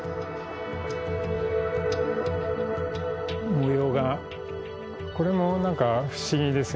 模様がこれも何か不思議ですよ。